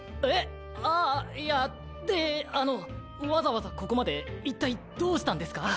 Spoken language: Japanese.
あいやであのわざわざここまで一体どうしたんですか？